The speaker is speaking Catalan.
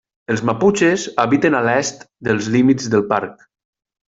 Els maputxes habiten a l'est dels límits del parc.